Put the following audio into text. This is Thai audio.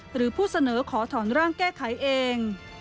หรือผู้เสนอขอถอนร่างแก้ไขเอง